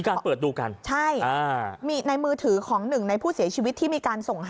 ของมือถือของหนึ่งในผู้เสียชีวิตที่มี